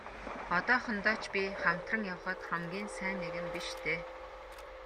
Одоохондоо ч би хамтран явахад хамгийн сайн нэгэн биш дээ.